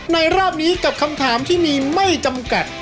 รอบนี้กับคำถามที่มีไม่จำกัด